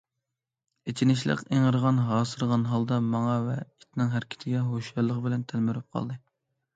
ئېچىنىشلىق ئىڭرىغان، ھاسىرىغان ھالدا ماڭا ۋە ئىتنىڭ ھەرىكىتىگە ھوشيارلىق بىلەن تەلمۈرۈپ قالدى.